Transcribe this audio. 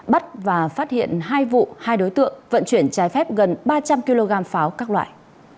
bắt và phát hiện hai vụ hai đối tượng vận chuyển trái phép gần ba trăm linh kg pháo các loại